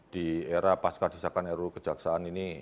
di era pasca desakan ru kejaksaan ini